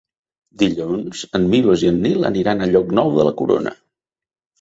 Dilluns en Milos i en Nil aniran a Llocnou de la Corona.